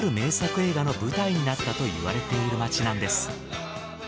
映画の舞台になったといわれている街なんです。